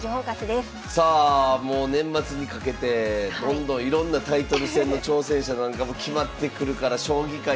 さあもう年末にかけてどんどんいろんなタイトル戦の挑戦者なんかも決まってくるから将棋界